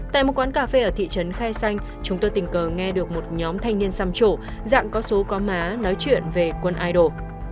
tại một quán cà phê ở thị trấn khai xanh chúng tôi tình cờ nghe được một nhóm thanh niên xăm trổ dạng có số có má nói chuyện về quân idol